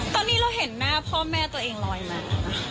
ตอนนี้เราเห็นหน้าพ่อแม่ตัวเองลอยมา